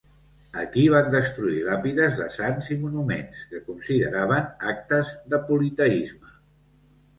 Aquí van destruir làpides de sants i monuments, que consideraven actes de politeisme.